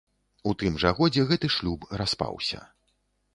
У тым жа годзе гэты шлюб распаўся.